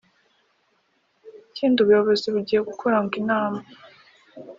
Ikindi ubuyobozi bugiye gukora ngo ni inama